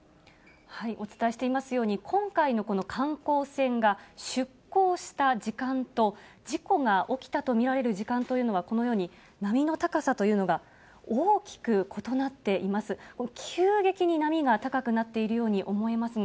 お伝えしていますように、今回のこの観光船が出港した時間と、事故が起きたと見られる時間というのは、このように波の高さというのが大きく異なっています。